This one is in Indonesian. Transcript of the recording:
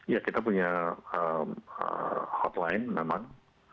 ya kita punya hotline memang